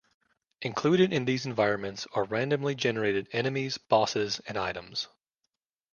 Included in these environments are randomly generated enemies, bosses and items.